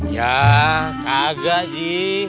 ya kagak ji